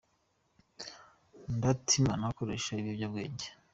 Ndatimana akoresha ibiyobyabwenge.